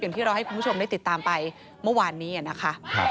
ที่เราให้คุณผู้ชมได้ติดตามไปเมื่อวานนี้นะคะ